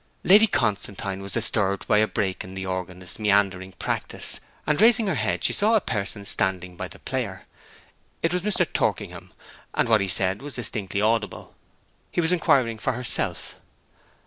Lady Constantine was disturbed by a break in the organist's meandering practice, and raising her head she saw a person standing by the player. It was Mr. Torkingham, and what he said was distinctly audible. He was inquiring for herself.